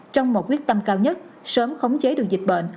trong một quyết tâm cao nhất sớm khống chế được dịch bệnh